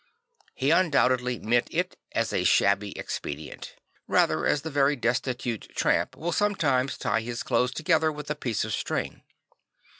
He undoubtedly meant it as a shabby expedient; rather as the very destitute tramp will sometimes tie his clothes together \vith a piece of string.